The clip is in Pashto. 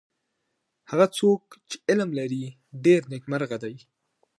هغه څوک چی علم لري ډېر نیکمرغه دی.